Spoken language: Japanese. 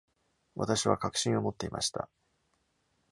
私は確信を持っていました。